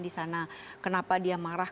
di sana kenapa dia marah